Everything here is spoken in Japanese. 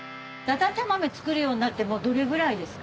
だちゃ豆作るようになってもうどれぐらいですか？